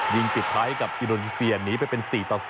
ยิงติดท้ายกับอิดโนนิเซียหนีไปเป็น๔ต่อ๒